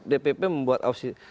dpp membuat opsi